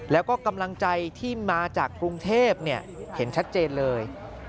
แล้วก็กำลังใจที่มาจากกรุงเทพเห็นชัดเจนเลย